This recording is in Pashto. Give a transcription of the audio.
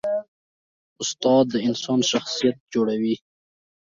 استاد د انسان شخصیت جوړوي.